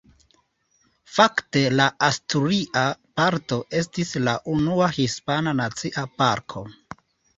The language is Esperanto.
Fakte la asturia parto estis la unua hispana nacia parko.